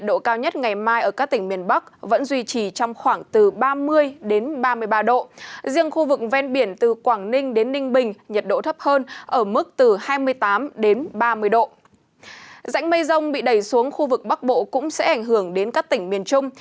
dãnh mây rông bị đẩy xuống khu vực bắc bộ cũng sẽ ảnh hưởng đến các tỉnh miền trung